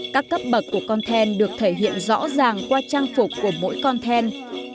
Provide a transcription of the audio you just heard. các cấp bậc của con then được thể hiện rõ ràng qua trang phục của mỗi con then